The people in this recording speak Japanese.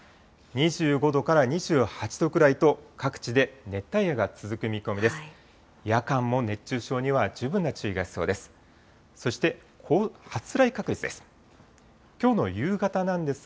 ２５度から２８度くらいと、各地で熱帯夜が続く見込みです。